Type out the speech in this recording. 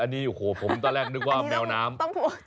อันนี้โอ้โหผมตอนแรกนึกว่าแมวน้ำ